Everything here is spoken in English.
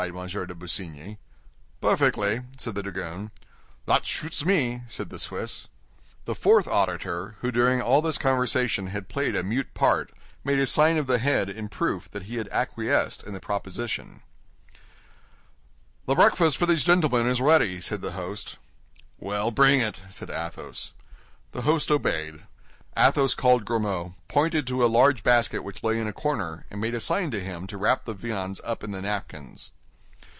de Busigny. "Perfectly," said the dragoon. "That shoots me," said the Swiss. The fourth auditor, who during all this conversation had played a mute part, made a sign of the head in proof that he acquiesced in the proposition. "The breakfast for these gentlemen is ready," said the host. "Well, bring it," said Athos. The host obeyed. Athos called Grimaud, pointed to a large basket which lay in a corner, and made a sign to him to wrap the viands up in the napkins.